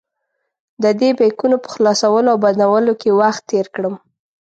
ددې بیکونو په خلاصولو او بندولو کې وخت تېر کړم.